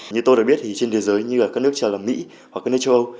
như tôi đã biết thì trên thế giới như là các nước châu là mỹ hoặc các nước châu âu